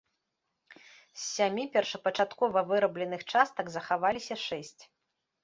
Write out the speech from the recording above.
З сямі першапачаткова вырабленых частак захаваліся шэсць.